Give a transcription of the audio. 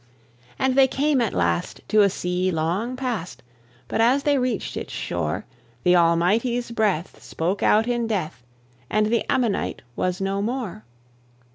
And they came at last to a sea long past, But as they reached its shore, The Almighty's breath spoke out in death, And the ammonite was no more.